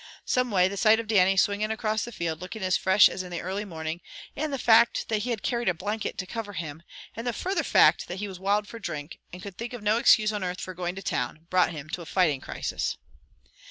Some way, the sight of Dannie swinging across the field, looking as fresh as in the early morning, and the fact that he had carried a blanket to cover him, and the further fact that he was wild for drink, and could think of no excuse on earth for going to town, brought him to a fighting crisis.